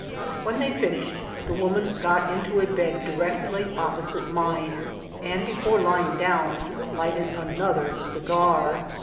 When they finished the woman got into a bed directly opposite misie, and before lying down lighted another cigar.